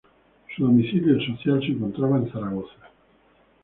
Su domicilio social se encontraba en Zaragoza.